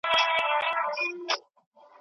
پر ازل مي غم امیر جوړ کړ ته نه وې